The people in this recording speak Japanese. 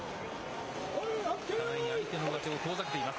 相手の上手を遠ざけています。